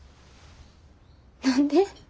何で？